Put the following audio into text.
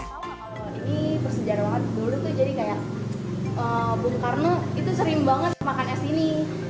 tau gak kalau ini bersejarah banget dulu tuh jadi kayak bung karno itu sering banget makan es ini